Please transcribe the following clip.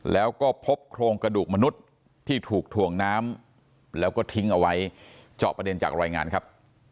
แล้วก็พบโครงกระดูกมนุษย์ที่ถูกถ่วงน้ำแล้วก็ทิ้งเอาไว้เจาะประเด็นจากรายงานครับ